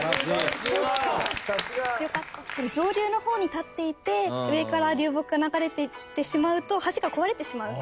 上流の方に立っていて上から流木が流れてきてしまうと橋が壊れてしまう。